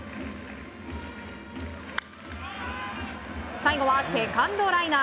最後はセカンドライナー。